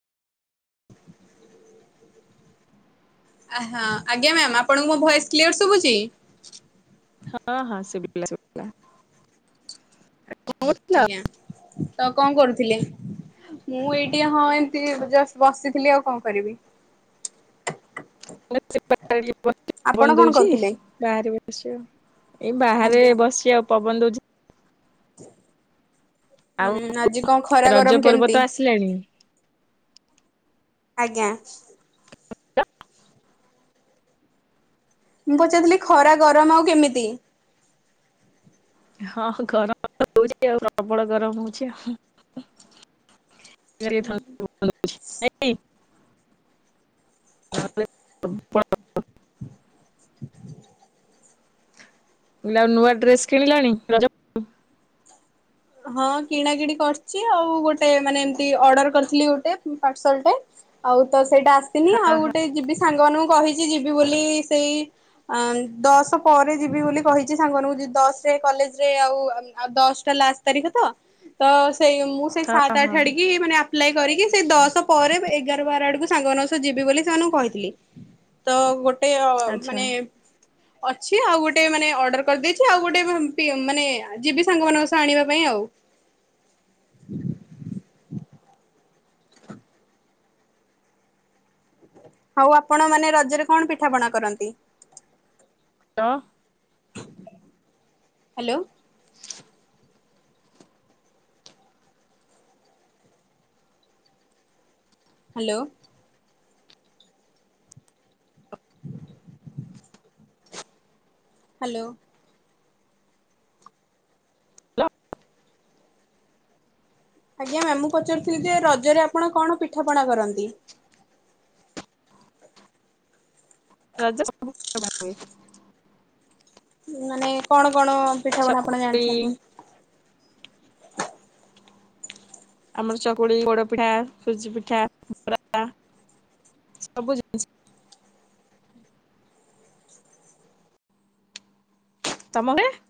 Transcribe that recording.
ଆ- ହଁ ଆଜ୍ଞା ମ୍ୟାମ୍ ଆପଣଙ୍କୁ ମୋ ଭଏସ୍ କ୍ଲିୟର୍ ଶୁଭୁଚି? ହଁ ହଁ ଶୁବିଲା ଶୁ କଣ କରୁଥିଲ? ଆଜ୍ଞା ତ କଣ କରୁଥିଲେ? ମୁଁ ଏଇଠି ହଁ ଏମତି ଜଷ୍ଟ୍ ବସିଥିଲି ଆଉ କଣ କରିବି? ନା ସେ ବାହାରେ ଟିକେ ବସିଚି ଆପଣ ପବନ୍ କଣ ଦଉଚି କରୁଥିଲେ? ବାହାରେ ବସିଚି ଆଉ। ଏଇ ବାହାରେ ଆଜ୍ଞା ବସି ଆଉ ପବନ ଦଉଛି। ଆଉ ହୁଁ ଆଜି କଣ ଖରା ରଜ ଗରମ ପର୍ବ କେମିତି? ତ ଆସିଲାଣି। ଆଜ୍ଞା। ମୁଁ ପଚାରୁଥିଲି ଖରା ଗରମ ଆଉ କେମିତି? ହଁ ଗରମ ହଉଛି ଆଉ ପ୍ରବଳ ଗରମ ହଉଛି ଆଉ। [inaudible] [inaudible] ହ ମୁଁ କହିଲି ଆଉ ନୂଆ ଡ୍ରେସ କିଣିଲଣି ରଜକୁ? ହଁ କିଣା କିିଣି କରିଛି ଆଉ ଗୋଟେ ମାନେ ଏମତି ଅର୍ଡର କରିଥିଲି ଗୋଟେ ପାର୍ସଲ ଟେ। ଆଉ ତ ସେଇଟା ଆସିନି ଆଉ ହଁ ହଁ ଗୋଟେ ଯିବି ସାଙ୍ଗମାନଙ୍କୁ କହିଛି ଯିବି ବୋଲି ସେଇ ଅ ଦଶ ପରେ ଯିବି ବୋଲି କହିଛି ସାଙ୍ଗମାନଙ୍କୁ ଯ ଦଶ ରେ କଲେଜ ରେ ଆଉ ଆଉ ଦଶଟା ଲାଷ୍ଟ। ତାରିଖ ତ ତ ସେଇ ମୁଁ ସେଇ ହଁ ସାତ ହଁ ଆଠ ଆଡିକି ମାନେ ଆପ ପ୍ଲେ କରିକି ସେ ଦଶ ପରେ ଏଗାର ବାର ଆଡକୁ ସାଙ୍ଗମାନ ସହ ଯିବି ବୋଲି ସେମାନଙ୍କୁ କହିଥିଲି। ତ ଗୋଟେ ଅ ଆଚ୍ଛା ମାନେ ଅଛି ଆଉ ଗୋଟେ ମାନେ ଅର୍ଡର କରିଦେଇଛି ଆଉ ଗୋଟେ ପି ମାନେ ଯିବି ସାଙ୍ଗମାନାନଙ୍କ ସହ ଆଣିବାକୁ। ସେଥିପାଇଁ ଆଉ। ହଉ ଆପଣ ମାନେ ରଜରେ କଣ ପିଠାପଣା କରନ୍ତି? ଲୋ। ହ୍ୟାଲୋ। ହ୍ୟାଲୋ। ହ୍ୟାଲୋ। ଆଜ୍ଞା ମ୍ୟାମ ମୁଁ ପଚାରୁଥିଲି ଯେ ରଜରେ ଆପଣ କଣ ପିଠାପଣା କରନ୍ତି? ରଜ [inaudible] ହୁଏ। ମାନେ କଣ କଣ ପିଠାପଣା ଆପଣ ଚକୁଳି ଜାଣିଛନ୍ତି? ଆମର ଚକୁଳି ପୋଡ଼ ପିଠା ସୁଜି ପିଠା ବରା। ସବୁ ଜାଣିଚି। ହଁ ତମ ଗାଁ।